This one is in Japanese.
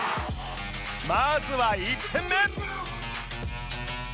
まずは１点目！